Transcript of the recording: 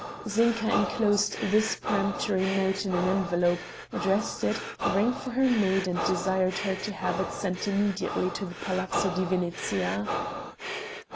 Zinka enclosed this peremptory note in an envelope, addressed it, rang for her maid and desired her to have it sent immediately to the Palazzo di Venezia.